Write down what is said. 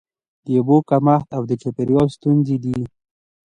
د اوبو کمښت او چاپیریال ستونزې دي.